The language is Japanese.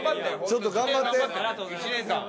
ちょっと頑張って。